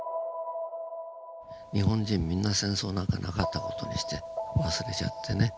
日本人みんな戦争なんかなかった事にして忘れちゃってね。